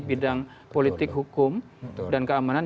bidang politik hukum dan keamanan